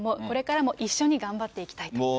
これからも一緒に頑張っていきたいと。